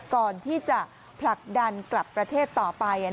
ก่อนที่จะผลักดันกลับประเทศต่อไป